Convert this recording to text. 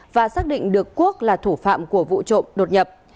và xác định được quốc là thủ phạm của vụ trộm đột nhập